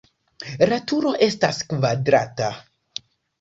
La turo estas kvadrata.